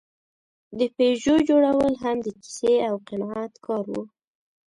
د پيژو جوړول هم د کیسې او قناعت کار و.